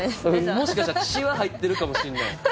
もしかしたら血は入ってるかもしんない。